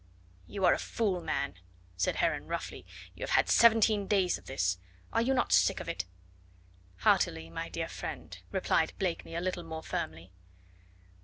"You are a fool, man," said Heron roughly. "You have had seventeen days of this. Are you not sick of it?" "Heartily, my dear friend," replied Blakeney a little more firmly.